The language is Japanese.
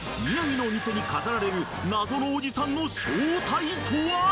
宮城のお店に飾られる謎のおじさんの正体とは！？